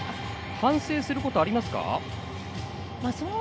反省することありますか？